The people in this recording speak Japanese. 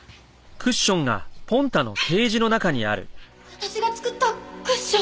私が作ったクッション。